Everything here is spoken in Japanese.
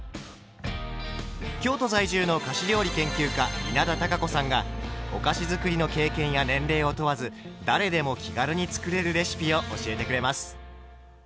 京都在住の菓子料理研究家稲田多佳子さんがお菓子づくりの経験や年齢を問わず誰でも気軽に作れるレシピを教えてくれます。